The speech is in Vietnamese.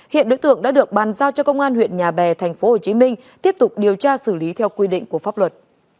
hiện đối tượng đã được bàn giao cho công an huyện nhà bè thành phố hồ chí minh tiếp tục điều tra xử lý theo quy định của pháp luật